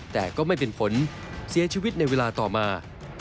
แต่ก็ไม่เป็นผลเสียชีวิตในเวลาต่อมา